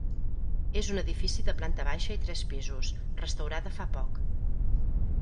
És un edifici de planta baixa i tres pisos, restaurada fa poc.